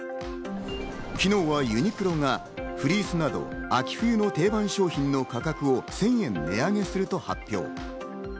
昨日はユニクロがフリースなど秋冬の定番商品の価格を１０００円値上げすると発表。